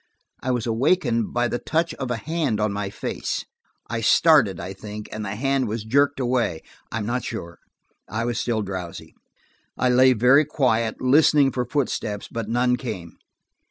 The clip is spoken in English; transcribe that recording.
I was wakened by the touch of a hand on my face. I started, I think, and the hand was jerked away–I am not sure: I was still drowsy. I lay very quiet, listening for footsteps, but none came.